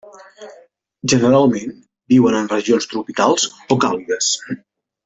Generalment viuen en regions tropicals o càlides.